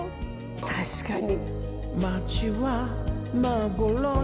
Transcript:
確かに。